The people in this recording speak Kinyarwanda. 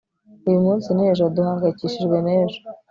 uyu munsi ni ejo duhangayikishijwe n'ejo